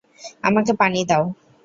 আমাকে পানি দাও।